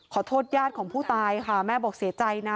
ญาติของผู้ตายค่ะแม่บอกเสียใจนะ